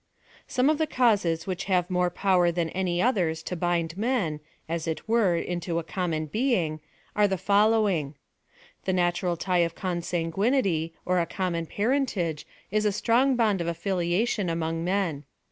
Some of the causes which have more power than any others to bind men, as it were into a common being, are the following : The natural tie of con sanguinity, or a common parentage, is a strong bond of affiliation among men.